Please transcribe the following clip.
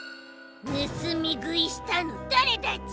ぬすみぐいしたのだれだち！？